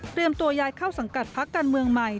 พริมตัวยายเข้าสังกัดภักดิ์การเมืองใหม่